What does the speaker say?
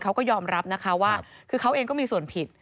เขาก็ยอมรับนะคะว่าคือเขาเองก็มีส่วนผิด